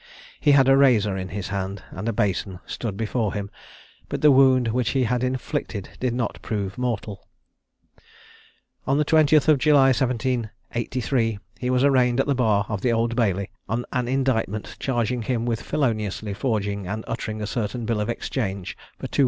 He had a razor in his hand, and a basin stood before him; but the wound which he had inflicted did not prove mortal. On the 20th July, 1783, he was arraigned at the bar of the Old Bailey, on an indictment charging him with feloniously forging and uttering a certain bill of exchange for 210_l.